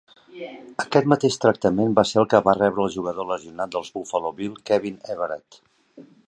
Aquest mateix tractament va ser el que va rebre el jugador lesionat dels Buffalo Bill, Kevin Everett.